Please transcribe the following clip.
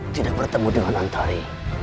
tidak bertemu dengan antari